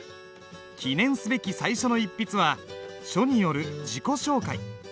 記念すべき最初の一筆は書による自己紹介。